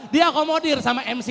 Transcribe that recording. diakomodir sama mc tenang saja